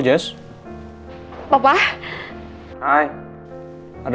jangan sampai terlalu lama lagi